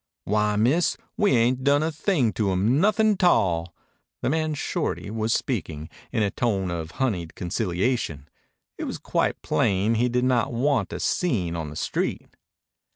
"Why, Miss, we ain't done a thing to him nothin' a tall." The man Shorty was speaking, and in a tone of honeyed conciliation. It was quite plain he did not want a scene on the street.